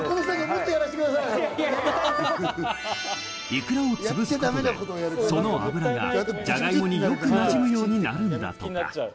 イクラを潰すことで、その脂がじゃがいもによくなじむようになるんだとか。